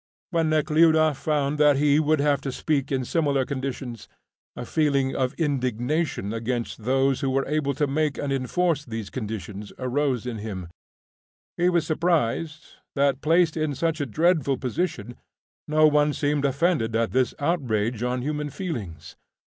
When Nekhludoff found that he would have to speak in similar conditions, a feeling of indignation against those who were able to make and enforce these conditions arose in him; he was surprised that, placed in such a dreadful position, no one seemed offended at this outrage on human feelings.